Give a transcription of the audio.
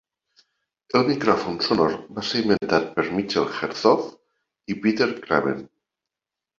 El micròfon sonor va ser inventat per Michael Gerzon i Peter Craven.